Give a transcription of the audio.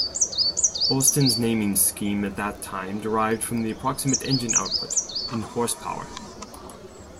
Austin's naming scheme at that time derived from the approximate engine output, in horsepower.